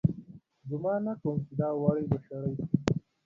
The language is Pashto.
گومان نه کوم چې دا وړۍ به شړۍ سي